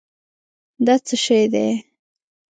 دا څه شی دی؟